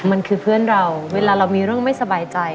มันคือเพื่อนเราเวลาเรามีเรื่องไม่สบายใจ